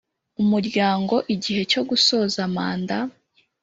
Umuryango igihe cyo gusoza manda